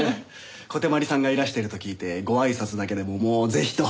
小手鞠さんがいらしてると聞いてご挨拶だけでももうぜひと。